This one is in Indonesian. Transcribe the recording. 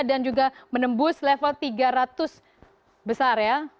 dan juga menembus level tiga ratus besar ya